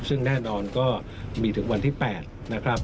ซึ่งแน่นอนก็จะมีถึงวันที่๘นะครับ